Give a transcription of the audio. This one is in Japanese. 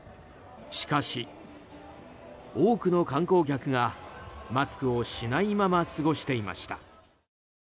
しかし、多くの観光客がマスクをしないまま過ごしていました。